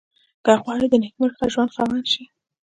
که غواړئ د نېکمرغه ژوند خاوند شئ.